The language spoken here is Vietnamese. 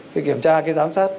cái kiểm tra cái giám sát